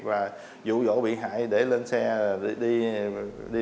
và dụ dỗ bị hại để lên xe đi lấy tiền